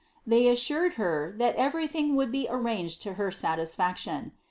They ■•tared her that everything would be arranged to her satisfaction.